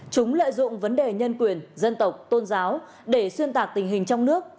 chúng lợi dụng vấn đề nhân quyền dân tộc tôn giáo để xuyên tạc tình hình trong nước